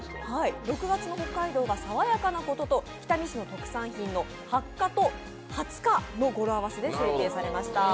６月の北海道が爽やかなことと、北見市の特産品の「ハッカ」と「２０日」の語呂合わせで制定されました。